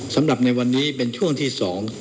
สำหรับในวันนี้เป็นช่วงที่สอง